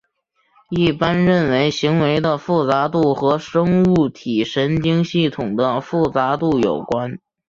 一般认为行为的复杂度和生物体神经系统的复杂度有关。